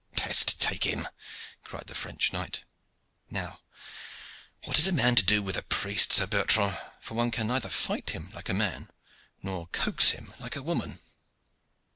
"Pest take him!" cried the French knight. "Now, what is a man to do with a priest, Sir Bertrand? for one can neither fight him like a man nor coax him like a woman."